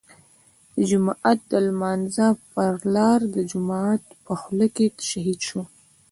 د جماعت د لمانځه پر لار د جومات په خوله کې شهيد شو.